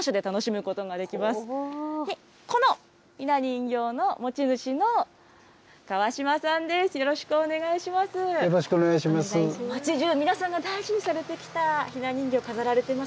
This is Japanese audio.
このひな人形の持ち主の川嶋さんです。